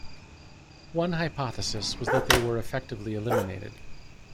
One hypothesis was that they were effectively eliminated.